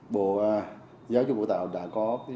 bộ giáo dục và đào tạo đã có